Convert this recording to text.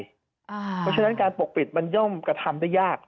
เพราะฉะนั้นการปกปิดมันย่อมกระทำได้ยาก